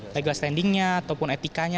legal standing nya ataupun etikanya